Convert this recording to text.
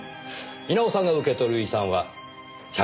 稲尾さんが受け取る遺産は１００億円。